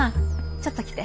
ちょっと来て。